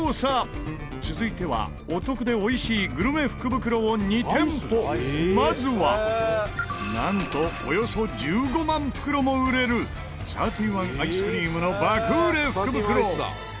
続いては、お得でおいしいグルメ福袋を２店舗まずはなんとおよそ１５万袋も売れる３１アイスクリームの爆売れ福袋